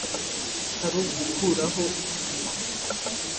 ari ugukuraho icyunamo